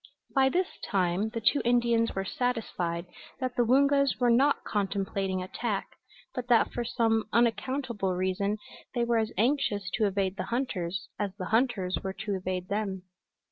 By this time the two Indians were satisfied that the Woongas were not contemplating attack, but that for some unaccountable reason they were as anxious to evade the hunters as the hunters were to evade them.